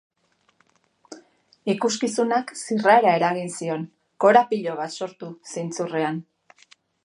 Ikuskizunak zirrara eragin zion, korapilo bat sortu zintzurrean.